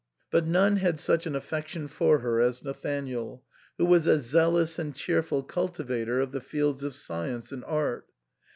But none had such an affection for her as Nathanael, who was a zealous and cheerful cultivator of the fields of science and art.